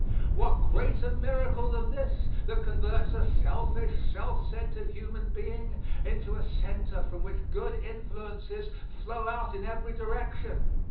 What greater miracle than this, that converts a selfish, self centered human being into a center from which good influences flow out in every direction!